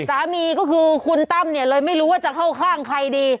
สามีก็คือคุณตั้มเนี่ยเลยไม่รู้ว่าจะเข้าข้างใครดี